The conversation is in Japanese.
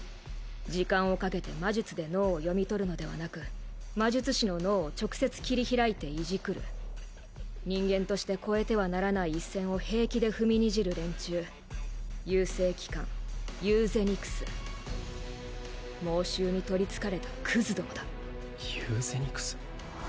時間をかけて魔術で脳を読み取るのではなく魔術師の脳を直接切り開いていじくる人間として越えてはならない一線を平気で踏みにじる連中優生機関ユーゼニクス妄執に取りつかれたクズどもだユーゼニクス